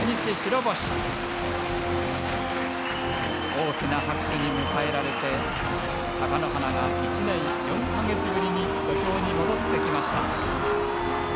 大きな拍手に迎えられて貴乃花が１年４か月ぶりに土俵に戻ってきました。